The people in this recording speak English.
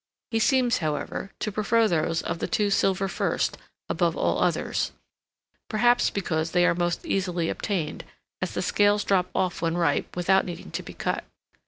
He seems, however, to prefer those of the two Silver First above all others; perhaps because they are most easily obtained, as the scales drop off when ripe without needing to be cut.